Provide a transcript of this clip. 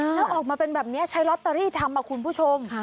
แล้วออกมาเป็นแบบนี้ใช้ลอตเตอรี่ทำคุณผู้ชม